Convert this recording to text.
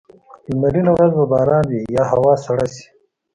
لمرینه ورځ به باران وي یا هوا سړه شي.